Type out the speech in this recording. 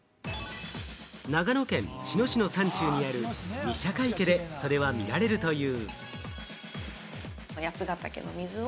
長野県茅野市の山中にある御射鹿池でそれはみられるという。